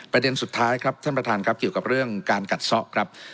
ประเด็นสุดท้ายครับท่านประธานครับเกี่ยวกับเรื่องการกัดซ่อครับ